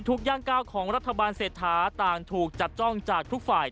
ย่างก้าวของรัฐบาลเศรษฐาต่างถูกจับจ้องจากทุกฝ่าย